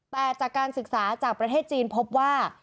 แต่จากการศึกษาจากประเทศจีนพบว่า